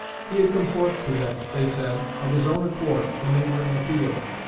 He had come forth to them, they said, of his own accord, when they were in the field.